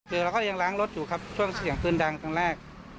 เราก็ยังล้างรถอยู่ครับช่วงเสียงปืนดังครั้งแรก